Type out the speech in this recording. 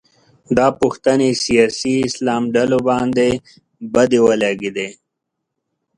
دا پوښتنې سیاسي اسلام ډلو باندې بدې ولګېدې